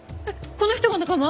この人が仲間？